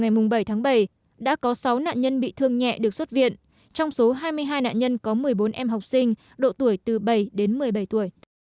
trong ngày bảy tháng bảy đã có sáu nạn nhân bị thương nhẹ được xuất viện trong số hai mươi hai nạn nhân có một mươi bốn em học sinh độ tuổi từ bảy đến một mươi bảy tuổi